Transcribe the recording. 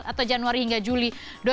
atau januari hingga juli dua ribu tujuh belas